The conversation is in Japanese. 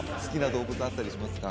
動物あったりしますか？